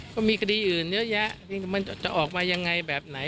ก็มีคดีอื่นเยอะแยะมันจะออกมายังไงแบบไหน